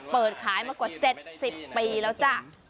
เปิดขายมากว่า๗๐ปีแล้วจ้ะ